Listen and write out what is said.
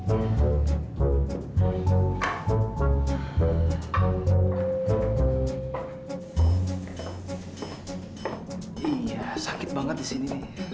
iya sakit banget disini nih